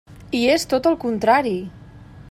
I és tot el contrari!